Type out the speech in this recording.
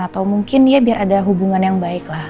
atau mungkin ya biar ada hubungan yang baik lah